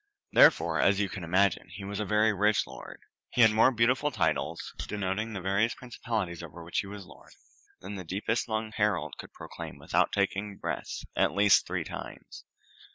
Therefore, as you can imagine, he was a very rich lord. He had more beautiful titles, denoting the various principalities over which he was lord, than the deepest lunged herald could proclaim without taking breath at least three times.